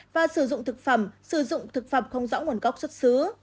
và sử dụng thực phẩm sử dụng thực phẩm không rõ nguồn gốc xuất xứ